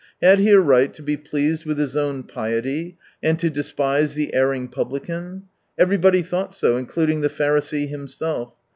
Had he a right to be pleased with his own piety, and to despise the erring publican ? Everybody thought so, including the Pharisee himself.